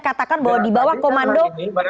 katakan bahwa dibawah komando